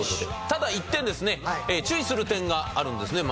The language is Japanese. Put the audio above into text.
ただ一点ですね注意する点があるんですね